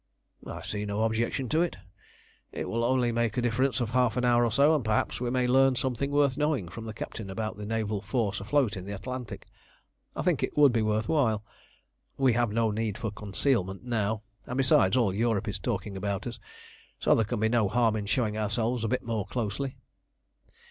"I see no objection to it. It will only make a difference of half an hour or so, and perhaps we may learn something worth knowing from the captain about the naval force afloat in the Atlantic. I think it would be worth while. We have no need for concealment now; and besides, all Europe is talking about us, so there can be no harm in showing ourselves a bit more closely."